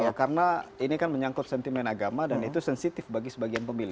ya karena ini kan menyangkut sentimen agama dan itu sensitif bagi sebagian pemilih